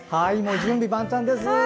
準備万端です。